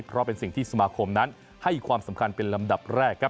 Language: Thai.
เพราะเป็นสิ่งที่สมาคมนั้นให้ความสำคัญเป็นลำดับแรกครับ